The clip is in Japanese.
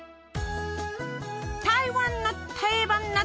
台湾の定番夏